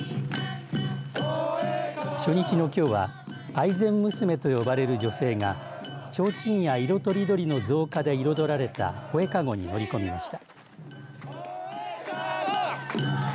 初日のきょうは愛染娘と呼ばれる女性がちょうちんや色とりどりの造花で彩られた宝恵かごに乗りこみました。